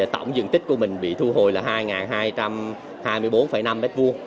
tổng diện tích của mình bị thu hồi là hai hai trăm hai mươi bốn năm m hai